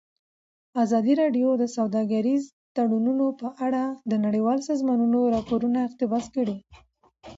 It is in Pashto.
ازادي راډیو د سوداګریز تړونونه په اړه د نړیوالو سازمانونو راپورونه اقتباس کړي.